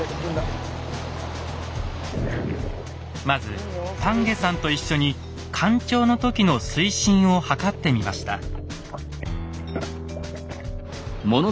まず田家さんと一緒に干潮の時の水深を測ってみました。